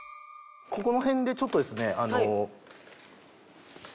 ここのへんでちょっとですねあの。